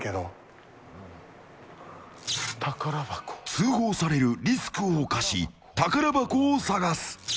通報されるリスクを冒し宝箱を探す。